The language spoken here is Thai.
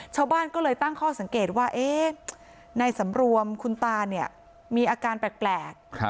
ชาวบ้านก็เลยตั้งข้อสังเกตว่าในสำรวมคุณตาเนี่ยมีอาการแปลก